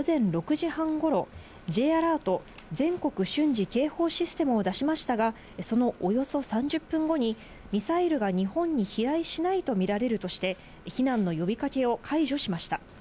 日本政府は午前６時半ごろ、Ｊアラート＝全国瞬時警報システムを出しましたが、そのおよそ３０分後にミサイルが日本に飛来しないと見られるとして、避難の呼び掛けを解除しました。